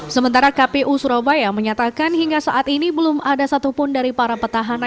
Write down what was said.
sementara kpu surabaya menyatakan hingga saat ini belum ada satupun dari para petahana